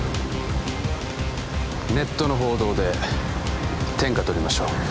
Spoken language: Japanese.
ネットの報道で天下とりましょう